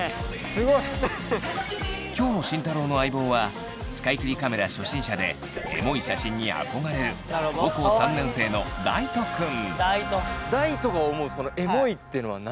すごい！今日の慎太郎の相棒は使い切りカメラ初心者でエモい写真に憧れる高校３年生の大翔くん。